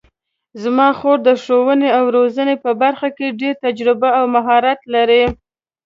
زما خور د ښوونې او روزنې په برخه کې ډېره تجربه او مهارت لري